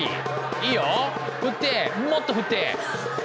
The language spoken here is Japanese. いいよ振ってもっと振って！